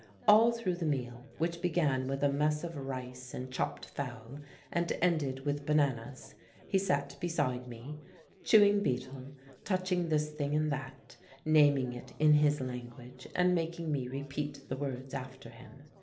All through the meal which began with a mess of rice and chopped fowl and ended with bananas he sat beside me, chewing betel, touching this thing and that, naming it in his language and making me repeat the words after him.